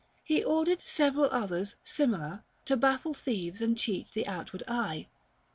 . He ordered several others, similar, To baffle thieves and cheat the outward eye.